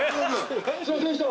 すいませんでした。